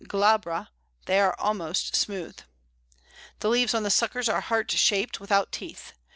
glabra) they are almost smooth. The leaves on the suckers are heart shaped, without teeth.